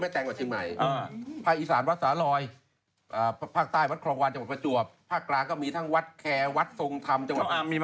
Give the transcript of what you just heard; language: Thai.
แล้วก็ที่วัดแครจังหาศุภัษณะบุรีวัดประธามสุสัมพลธรรมบุรี